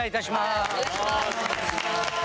はいお願いします。